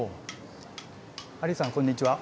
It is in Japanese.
ハリーさんこんにちは。